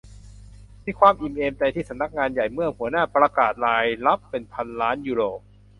มีความอิ่มเอมใจที่สำนักงานใหญ่เมื่อหัวหน้าประกาศรายรับเป็นพันล้านยูโร